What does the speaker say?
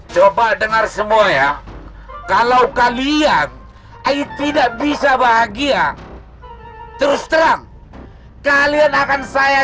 coba dengar semua ya kalau kalian ayo tidak bisa bahagia terus terang kalian akan saya